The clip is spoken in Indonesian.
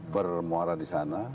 bermuara di sana